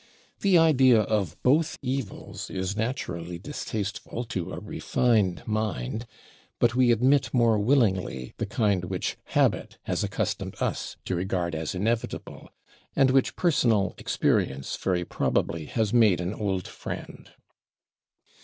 The idea of both evils is naturally distasteful to a refined mind; but we admit more willingly the kind which habit has accustomed us to regard as inevitable, and which personal experience very probably has made an old friend.